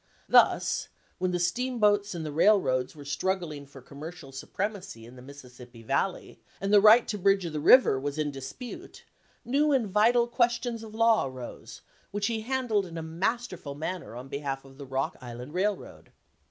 Thus, when the steamboats and the railroads were struggling for commercial supremacy in the Mississippi valley, and the right to bridge the river was in dispute, new and vital questions of law arose, which he handled in a masterful manner on behalf of the Rock Island Railroad.